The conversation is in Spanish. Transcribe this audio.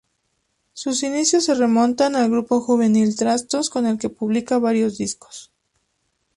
Sus inicios se remontan al grupo juvenil "Trastos" con el que publica varios discos.